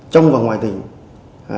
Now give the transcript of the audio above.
trong và ngoài tỉnh